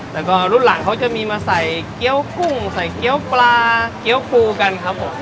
แล้วก็รุ่นหลังเขาจะมีมาใส่เกี้ยวกุ้งใส่เกี้ยวปลาเกี้ยวปูกันครับผม